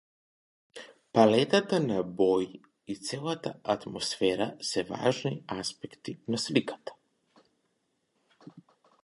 Палетата на бои и целата атмосфера се важни аспекти на сликата.